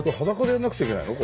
裸でやんなくちゃいけないの？